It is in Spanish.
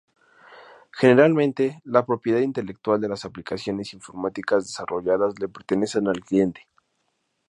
Generalmente la propiedad intelectual de las aplicaciones informáticas desarrolladas le pertenecen al cliente.